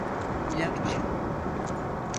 İlaç!